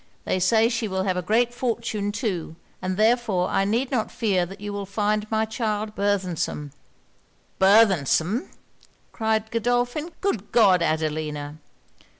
They say she will have a great fortune too, and therefore I need not fear that you will find my child burthensome.' 'Burthensome!' cried Godolphin. 'Good God, Adelina!'